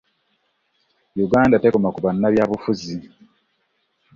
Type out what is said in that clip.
Uganda tekoma ku bannabyabufuzi